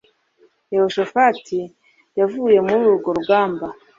Yehoshafati yavuye muri urwo rugamba